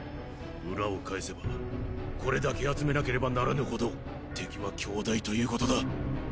裏を返せばこれだけ集めなければならぬほど敵は強大ということだ。